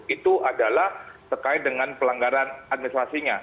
itu adalah terkait dengan pelanggaran administrasinya